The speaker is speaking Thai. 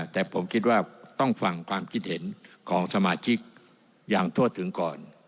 แต่ผมคิดว่าต้องฟังความคิดเห็นของสมาชิกอย่างทั่วถึงก่อน